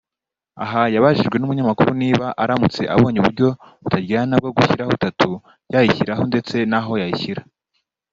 Aha yabajijwe n’umunyamakuru niba aramutse abonye uburyo butaryana bwo gushyiraho Tattoo yayishyiraho ndetse naho yayishyira